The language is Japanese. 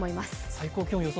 最高気温の予想